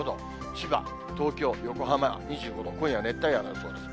千葉、東京、横浜２５度、今夜は熱帯夜の予想です。